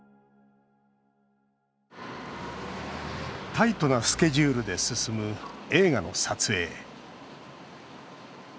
タイトなスケジュールで進む映画の撮影。